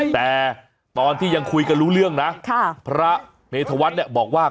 แต่ตอนที่ยังคุยกันรู้เรื่องนะพระเมธวัฒน์เนี่ยบอกว่า